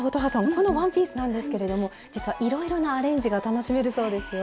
このワンピースなんですけれども実はいろいろなアレンジが楽しめるそうですよ。